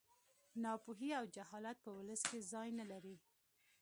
ناپوهي او جهالت په ولس کې ځای نه لري